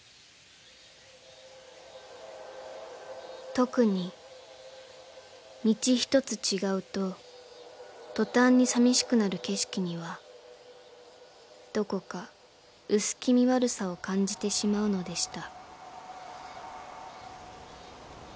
［特に道一つ違うと途端にさみしくなる景色にはどこか薄気味悪さを感じてしまうのでした］